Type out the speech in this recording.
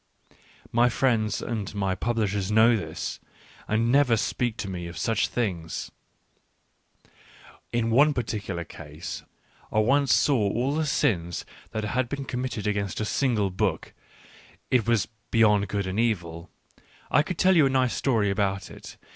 > My friends and my publishers know this, and never speak to me of such things. In one particular case, I once saw all the sins that had been committed against a single book — it was Beyond Good and Evil; I could tell you a nice story about it.